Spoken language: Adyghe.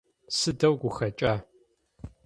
Сыдэу гухэкӀа!